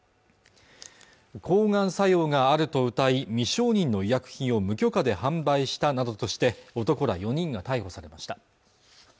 抗がん作用があるとうたい未承認の医薬品を無許可で販売したなどとして男ら４人が逮捕されました